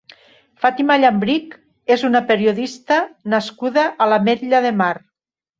Fàtima Llambrich és una periodista nascuda a l'Ametlla de Mar.